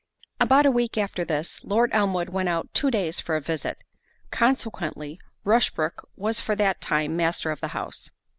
About a week after this, Lord Elmwood went out two days for a visit; consequently Rushbrook was for that time master of the house.